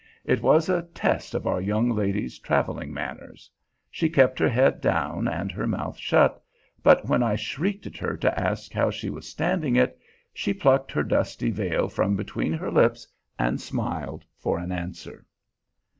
It was a test of our young lady's traveling manners. She kept her head down and her mouth shut; but when I shrieked at her to ask how she was standing it, she plucked her dusty veil from between her lips and smiled for answer.